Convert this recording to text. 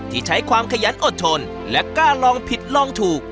ใช้ความขยันอดทนและกล้าลองผิดลองถูก